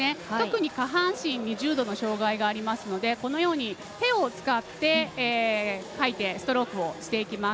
特に下半身に重度の障がいがあるのでこのように手を使って、かいてストロークをしていきます。